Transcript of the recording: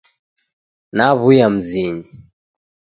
Naw'uya Mzinyi